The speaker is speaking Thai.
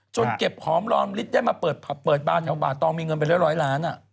จนเก็บหอมร้อนได้มาเปิดบ้านต้องมีเงินไปร้อยล้าน